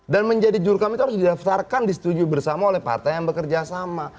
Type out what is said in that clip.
dan menjadi jurkam itu harus didaftarkan disetujui bersama oleh partai yang bekerja sama